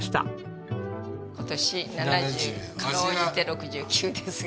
今年７０かろうじて６９ですが。